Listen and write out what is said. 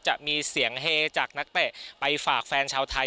จะมีเสียงเฮจากนักเตะไปฝากแฟนชาวไทย